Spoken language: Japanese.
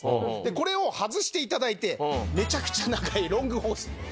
これを外して頂いてめちゃくちゃ長いロングホース。